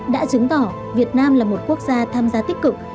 đã chứng tỏ việt nam là một quốc gia tham gia tích cực